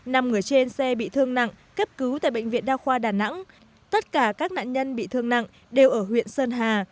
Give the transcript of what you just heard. năm người trên xe bị thương nặng cấp cứu tại bệnh viện đa khoa đà nẵng tất cả các nạn nhân bị thương nặng đều ở huyện sơn hà